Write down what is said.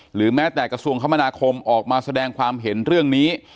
หรือแม้แต่กระทรวงคมนาคมออกมาแสดงความเห็นเรื่องนี้